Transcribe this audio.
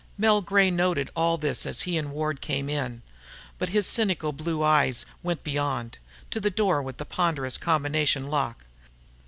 Mel Gray noted all this as he and Ward came in. But his cynical blue eyes went beyond, to a door with a ponderous combination lock.